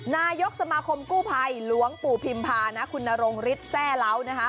นายกสมาคมกู้ภัยหลวงปู่พิมพานะคุณนรงฤทธิแทร่เล้านะคะ